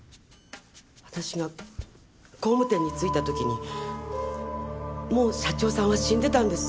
私が工務店に着いた時にもう社長さんは死んでたんです。